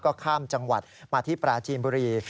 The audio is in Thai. ก็ข้ามจังหวัดมาที่ปราจีนบุรี